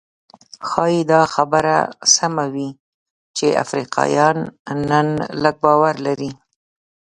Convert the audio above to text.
ښايي دا خبره سمه وي چې افریقایان نن لږ باور لري.